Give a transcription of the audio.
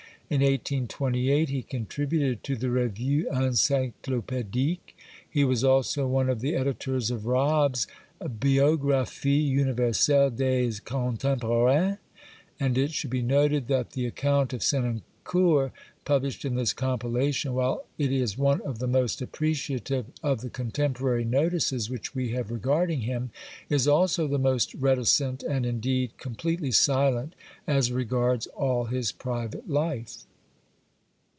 In 1828 he contributed to the Revue Encyclopedique. He was also one of the editors of Rabbe's Biographie Universelle des Contemporains, and it should be noted that the account of Senancour published in this compilation, while it is one of the most appreciative of the contemporary notices which we have regarding him, is also the most reticent and, indeed, com pletely silent as regards all his private life.